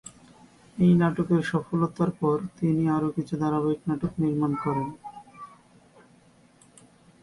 এই নাটকের সফলতার পর, তিনি আরো কিছু ধারাবাহিক নাটক নির্মাণ করেন।